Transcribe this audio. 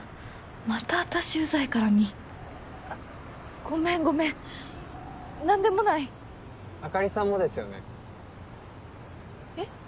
また私ウザい絡みごめんごめん何でもないあかりさんもですよねえっ？